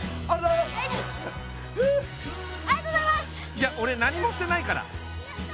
いや俺何もしてないから。